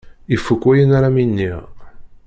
Ifuk wayen ara m-iniɣ.